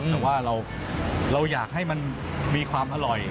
แต่ว่าเราอยากให้มันมีความอร่อย